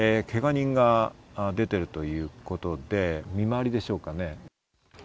けが人が出ているということで、見回りでしょうかね。